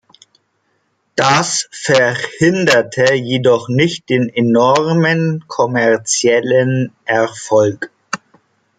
Das verhinderte jedoch nicht den enormen kommerziellen Erfolg.